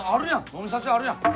飲みさしあるやん。